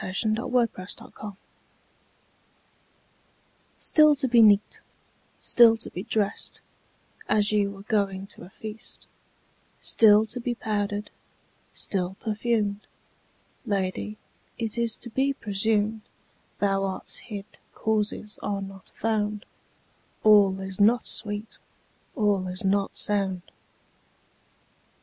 Simplex Munditiis STILL to be neat, still to be drest, As you were going to a feast; Still to be powder'd, still perfumed: Lady, it is to be presumed, Though art's hid causes are not found, 5 All is not sweet, all is not sound.